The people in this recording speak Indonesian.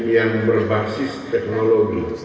yang berbasis teknologi